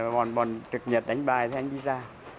bọn bọn trực nhật đánh bai thì anh đi ra